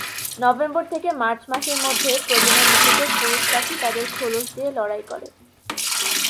November থেকে March মাসের মধ্যে প্রজনন ঋতুতে পুরুষ পাখি তাদের খোলস দিয়ে লড়াই করে।